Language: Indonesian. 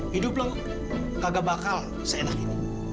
hidup dong kagak bakal seenak ini